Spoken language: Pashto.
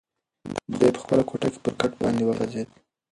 دی په خپله کوټه کې پر کټ باندې وغځېد.